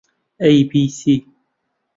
ئەی بی سی